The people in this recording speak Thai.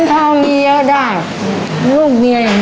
แค่คุณ